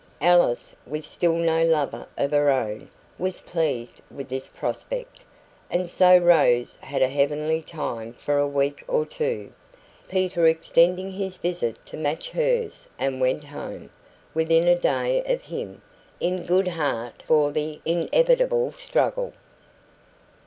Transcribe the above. Alice, with still no lover of her own, was pleased with this prospect. And so Rose had a heavenly time for a week or two Peter extending his visit to match hers and went home, within a day of him, in good heart for the inevitable struggle.